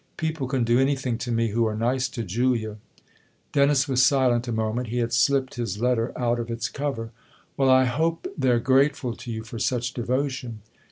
People can do anything to me who are nice to Julia." Dennis was silent a moment ; he had slipped his letter out of its cover. "Well, I hope they're grateful to you for such devotion."